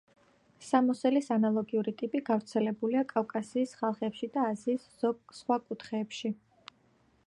სამოსლის ანალოგიური ტიპი გავრცელებულია კავკასიის ხალხებში და აზიის ზოგ სხვა კუთხეებში.